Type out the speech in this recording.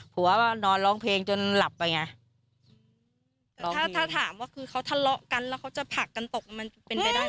ว่านอนร้องเพลงจนหลับไปไงแต่ถ้าถ้าถามว่าคือเขาทะเลาะกันแล้วเขาจะผลักกันตกมันเป็นไปได้เห